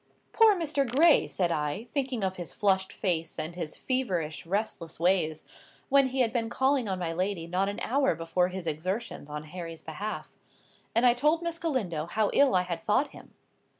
"Poor Mr. Gray!" said I, thinking of his flushed face, and his feverish, restless ways, when he had been calling on my lady not an hour before his exertions on Harry's behalf. And I told Miss Galindo how ill I had thought him.